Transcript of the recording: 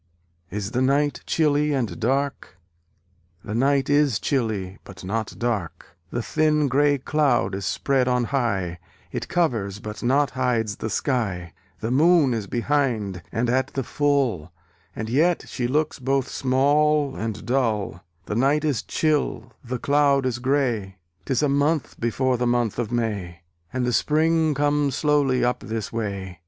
Is the night chilly and dark? The night is chilly, but not dark. The thin gray cloud is spread on high, It covers but not hides the sky. The moon is behind, and at the full; And yet she looks both small and dull. The night is chill, the cloud is gray: 'Tis a month before the month of May, And the Spring comes slowly up this way.